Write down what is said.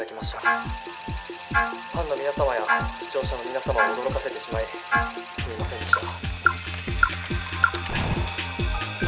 「ファンの皆さまや視聴者の皆さまを驚かせてしまいすみませんでした」